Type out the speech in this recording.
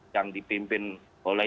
yang dipimpin oleh